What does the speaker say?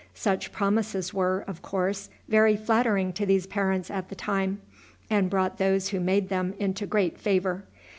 Such promises were, of course, very flattering to these parents at the time, and brought those who made them into great favor.